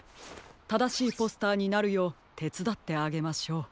ただしいポスターになるようてつだってあげましょう。